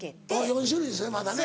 ４種類ですねまだね。